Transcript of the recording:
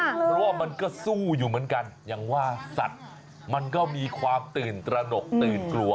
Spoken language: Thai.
เพราะว่ามันก็สู้อยู่เหมือนกันอย่างว่าสัตว์มันก็มีความตื่นตระหนกตื่นกลัว